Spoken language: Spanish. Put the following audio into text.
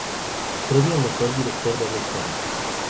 Premio al mejor director de habla hispana